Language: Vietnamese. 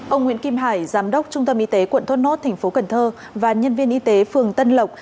ông nguyễn kim hải giám đốc trung tâm y tế quận thốt nốt tp cn và nhân viên y tế phường tân lộc